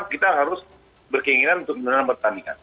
kita harus berkeinginan untuk menangani pertandingan